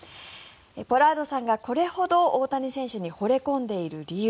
ポラードさんがこれほど大谷選手にほれ込んでいる理由